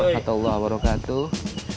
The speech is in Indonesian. wa rasulullah wa barakatuh